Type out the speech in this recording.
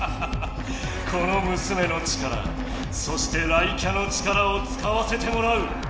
このむすめの力そして雷キャの力を使わせてもらう！